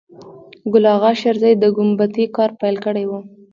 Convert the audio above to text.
ګل آغا شېرزی د ګومبتې کار پیل کړی و.